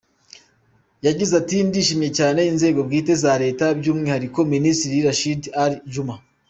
Yagize ati “ Ndashimira cyane inzego bwite za Leta byumwihariko , Minisitiri Rashid Ali Juma.